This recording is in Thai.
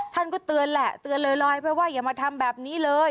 ท่านก็เตือนแหละเตือนลอยไปว่าอย่ามาทำแบบนี้เลย